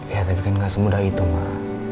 ya tapi kan gak semudah itu mbak